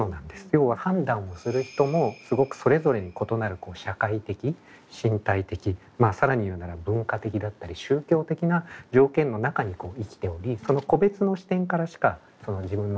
要は判断する人もすごくそれぞれに異なる社会的身体的更に言うなら文化的だったり宗教的な条件の中に生きておりその個別の視点からしか自分の行動というものを考えられない。